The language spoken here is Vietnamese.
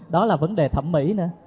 đó là vấn đề thẩm mỹ nữa